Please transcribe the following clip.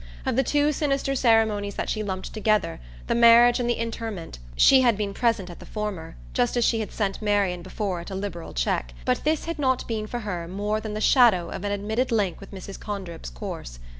Of the two sinister ceremonies that she lumped together, the marriage and the interment, she had been present at the former, just as she had sent Marian before it a liberal cheque; but this had not been for her more than the shadow of an admitted link with Mrs. Condrip's course.